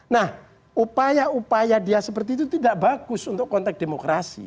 nah upaya upaya dia seperti itu tidak bagus untuk konteks demokrasi